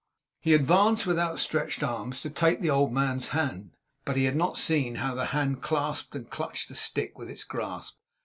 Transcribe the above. He advanced with outstretched arms to take the old man's hand. But he had not seen how the hand clasped and clutched the stick within its grasp.